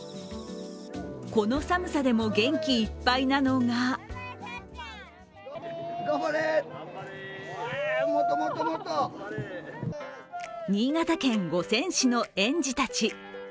この寒さでも元気いっぱいなのが新潟県五泉市の園児たち。